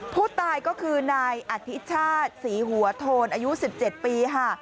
ผู้ตายก็คือนายอภิชาติศรีหัวโทนอายุ๑๗ปีค่ะ